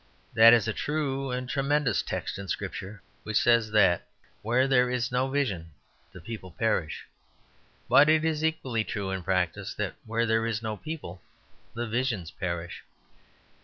That is a true and tremendous text in Scripture which says that "where there is no vision the people perish." But it is equally true in practice that where there is no people the visions perish.